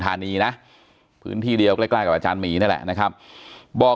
ณีนะพื้นที่เดียวใกล้กับอาจารย์หมีนั่นแหละนะครับบอก